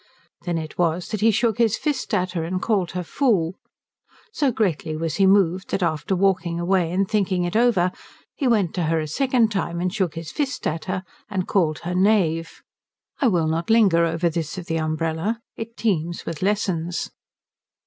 Then it was that he shook his fist at her and called her fool. So greatly was he moved that, after walking away and thinking it over, he went to her a second time and shook his fist at her and called her knave. I will not linger over this of the umbrella; it teems with lessons.